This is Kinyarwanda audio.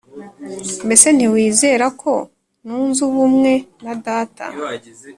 Mbese ntiwizera ko nunze ubumwe na Data